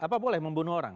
apa boleh membunuh orang